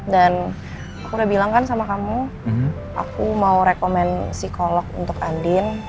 dan aku udah bilang kan sama kamu aku mau rekomen psikolog untuk andin